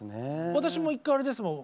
私も１回あれですもん